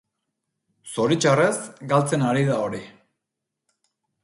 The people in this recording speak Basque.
Zoritxarrez, galtzen ari da hori.